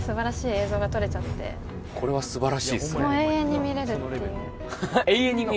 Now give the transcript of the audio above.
これはすばらしいっすねえ永遠に見れます